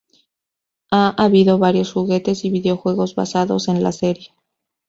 Ha habido varios juguetes y videojuegos basados en la serie.